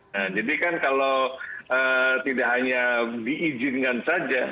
nah jadikan kalau tidak hanya diizinkan saja